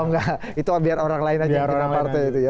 oh nggak itu biar orang lain aja yang pilih